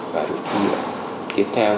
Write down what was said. và rồi chúng ta kiếm theo